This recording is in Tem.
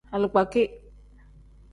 Alikpakin.